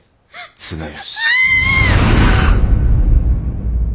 綱吉。